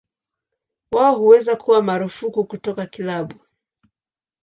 Wao huweza kuwa marufuku kutoka kilabu.